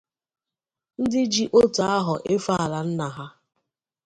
ndị ji otu ahọ efe àlà nna ha